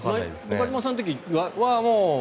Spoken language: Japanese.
岡島さんの時は？